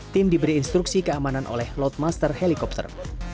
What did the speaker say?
tim diberi instruksi keamanan oleh loadmaster helikopter